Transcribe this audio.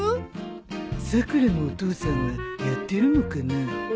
さくらのお父さんはやってるのかな